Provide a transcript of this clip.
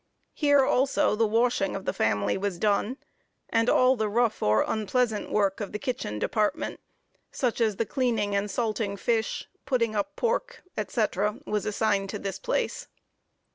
Here, also, the washing of the family was done, and all the rough or unpleasant work of the kitchen department such as cleaning and salting fish, putting up pork, &c., was assigned to this place.